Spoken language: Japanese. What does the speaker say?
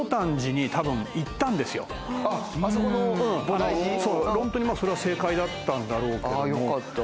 ホントにそれは正解だったんだろうけども。